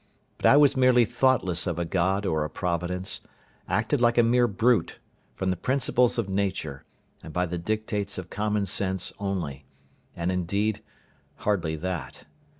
But I was merely thoughtless of a God or a Providence, acted like a mere brute, from the principles of nature, and by the dictates of common sense only, and, indeed, hardly that.